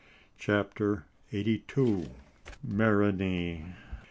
CHAPTER EIGHTY TWO. MARANEE.